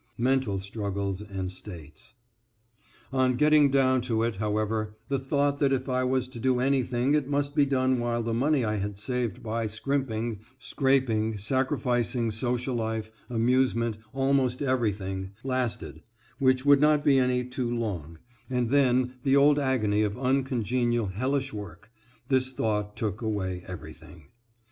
mental struggles and states. On getting down to it, however, the thought that if I was to do anything it must be done while the money I had saved by scrimping, scraping, sacrificing social life, amusement, almost everything, lasted, which would not be any too long, and then, the old agony of uncongenial hellish work, this thought took away everything.